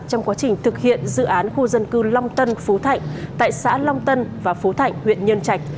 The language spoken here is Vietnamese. trong quá trình thực hiện dự án khu dân cư long tân phú thạnh tại xã long tân và phú thạnh huyện nhân trạch